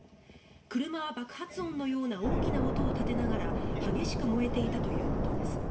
車は爆発音のような大きな音を立てながら激しく燃えていたということです。